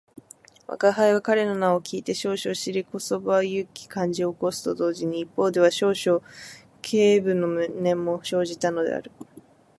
吾輩は彼の名を聞いて少々尻こそばゆき感じを起こすと同時に、一方では少々軽侮の念も生じたのである